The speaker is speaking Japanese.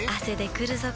くるぞ？